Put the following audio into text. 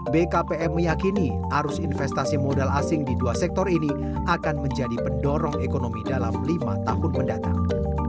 bkpm meyakini arus investasi modal asing di dua sektor ini akan menjadi pendorong ekonomi dalam lima tahun mendatang